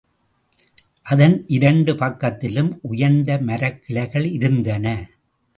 அதன் இரண்டு பக்கத்திலும் உயர்ந்த மரக்கிளைகள் இருந்தன.